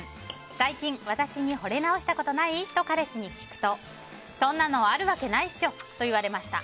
最近、私にほれ直したことない？と彼氏に聞くとそんなのあるわけないっしょと言われました。